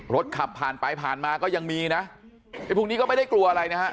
รถขับผ่านไปผ่านมาก็ยังมีนะไอ้พวกนี้ก็ไม่ได้กลัวอะไรนะฮะ